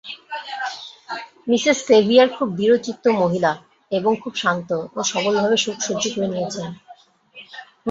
Mrs Sevier খুব দৃঢ়চিত্ত মহিলা এবং খুব শান্ত ও সবলভাবে শোক সহ্য করে নিয়েছেন।